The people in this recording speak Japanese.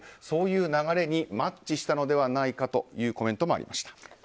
そういう流れにマッチしたのではいないかというコメントもありました。